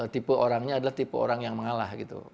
tipe orangnya adalah tipe orang yang mengalah gitu